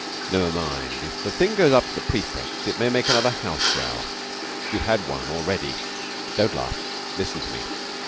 "Never mind. If the thing goes up to the prefects it may make another house row. You've had one already. Don't laugh. Listen to me.